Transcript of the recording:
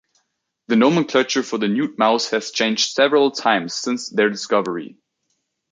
The nomenclature for the nude mouse has changed several times since their discovery.